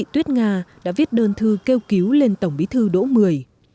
tuyết nga đã viết đơn thư kêu cứu lên tổng bí thư đỗ mười